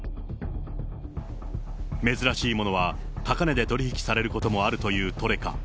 珍しいものは高値で取り引きされることもあるというトレカ。